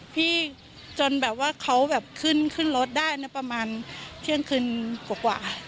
พี่จนแบบว่าเขาขึ้นรถได้ประมาณเที่ยงคืนกว่ากว่า